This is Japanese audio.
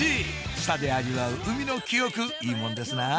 舌で味わう海の記憶いいもんですなぁ